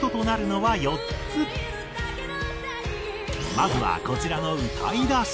まずはこちらの歌い出し。